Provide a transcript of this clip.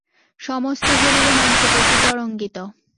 সমস্ত শরীরে মাংসপেশী তরঙ্গিত।